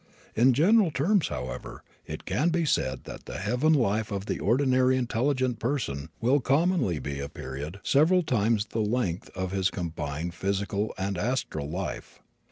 In general terms, however, it can be said that the heaven life of the ordinarily intelligent person will commonly be a period several times the length of his combined physical and astral life.